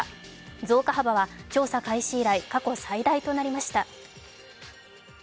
増加幅は調査開始以来、過去最大となりました。